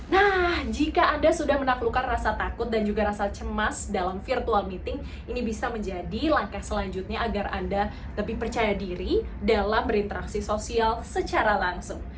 nah jika anda sudah menaklukkan rasa takut dan juga rasa cemas dalam virtual meeting ini bisa menjadi langkah selanjutnya agar anda lebih percaya diri dalam berinteraksi sosial secara langsung